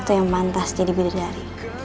itu yang pantas jadi bidadari